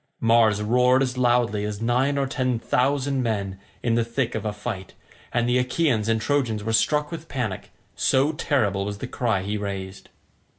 Mars roared as loudly as nine or ten thousand men in the thick of a fight, and the Achaeans and Trojans were struck with panic, so terrible was the cry he raised.